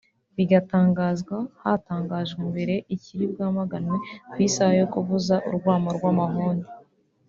bigatangazwa hatangajwe mbere ikiri bwamaganwe ku isaha yo kuvuza urwamo rw’amahoni